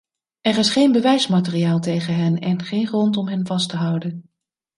Er is geen bewijsmateriaal tegen hen en geen grond om hen vast te houden.